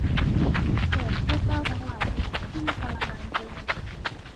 แก่ข้าพเจ้าทั้งหลาย สิ้นกาลนานเทอญ